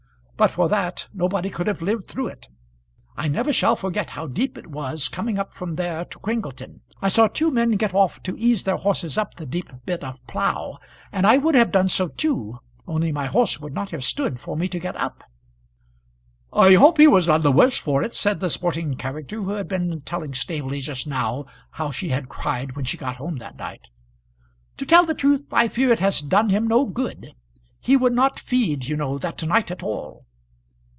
But for that, nobody could have lived through it. I never shall forget how deep it was coming up from there to Cringleton. I saw two men get off to ease their horses up the deep bit of plough; and I would have done so too, only my horse would not have stood for me to get up." "I hope he was none the worse for it," said the sporting character who had been telling Staveley just now how she had cried when she got home that night. "To tell the truth, I fear it has done him no good. He would not feed, you know, that night at all."